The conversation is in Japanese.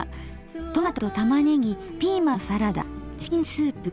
「トマトと玉ねぎピーマンのサラダチキンスープ」。